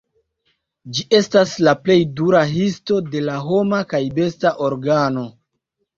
Ĝi estas la plej dura histo de la homa kaj besta organo.